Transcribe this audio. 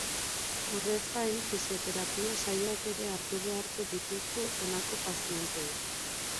Horrez gain, fisioterapia saioak ere hartu beharko dituzte honako pazienteek.